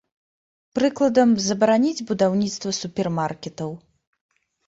Прыкладам, забараніць будаўніцтва супермаркетаў.